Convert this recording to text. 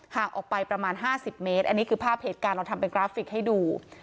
ห่างออกไปประมาณ๕๐เมตรอันนี้คือภาพเหตุการณ์เราทำเป็นกราฟิกให้ดู